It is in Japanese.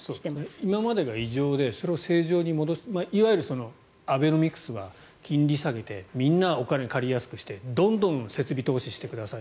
今までが異常でそれを正常に戻すいわゆるアベノミクスは金利を下げてみんながお金を借りやすくしてどんどん設備投資してください